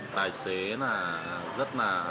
tài xế là rất là